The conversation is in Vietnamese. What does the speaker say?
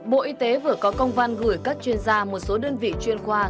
bộ y tế vừa có công văn gửi các chuyên gia một số đơn vị chuyên khoa